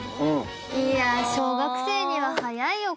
いや小学生には早いよ